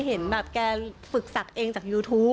เห็นแบบแกฝึกศักดิ์เองจากยูทูป